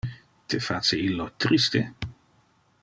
Te face illo triste?